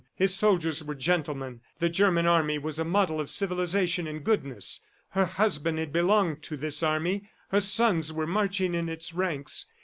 His soldiers were gentlemen, the German army was a model of civilization and goodness. Her husband had belonged to this army, her sons were marching in its ranks.